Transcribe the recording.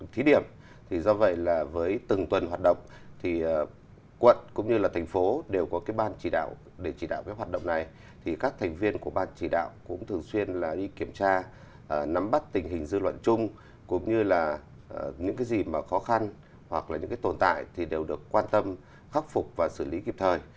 thí điểm thì do vậy là với từng tuần hoạt động thì quận cũng như là thành phố đều có cái ban chỉ đạo để chỉ đạo cái hoạt động này thì các thành viên của ban chỉ đạo cũng thường xuyên là đi kiểm tra nắm bắt tình hình dư luận chung cũng như là những cái gì mà khó khăn hoặc là những cái tồn tại thì đều được quan tâm khắc phục và xử lý kịp thời